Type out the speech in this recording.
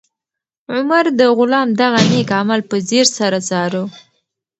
عمر د غلام دغه نېک عمل په ځیر سره څاره.